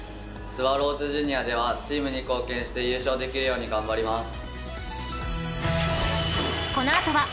スワローズジュニアではチームに貢献して優勝できるように頑張ります。